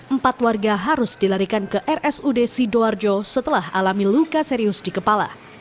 empat warga harus dilarikan ke rsud sidoarjo setelah alami luka serius di kepala